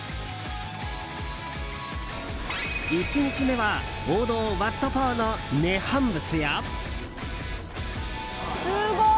１日目は王道ワット・ポーの涅槃仏や。